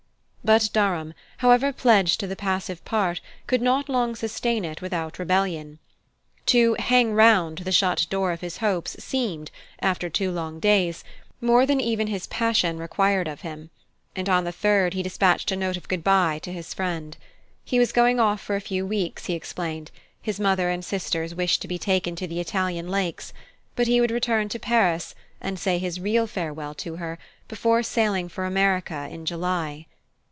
But Durham, however pledged to the passive part, could not long sustain it without rebellion. To "hang round" the shut door of his hopes seemed, after two long days, more than even his passion required of him; and on the third he despatched a note of goodbye to his friend. He was going off for a few weeks, he explained his mother and sisters wished to be taken to the Italian lakes: but he would return to Paris, and say his real farewell to her, before sailing for America in July.